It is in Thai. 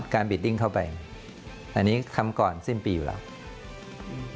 การบีฟติ้งเข้าไปอันนี้คำก่อนสิบปีมัน